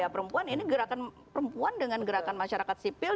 perempuan ini gerakan perempuan dengan gerakan masyarakat sipil